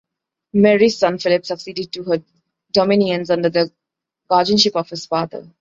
Mary's son Philip succeeded to her dominions under the guardianship of his father.